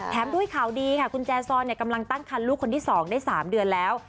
ด้วยข่าวดีค่ะคุณแจซอนกำลังตั้งคันลูกคนที่๒ได้๓เดือนแล้ว